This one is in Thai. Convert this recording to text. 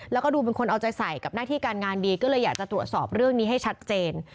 แล้วก็ดูเป็นคนเอาใจใส่กับหน้าที่การงานดีก็เลยอยากจะตรวจสอบเรื่องนี้ให้ชัดเจน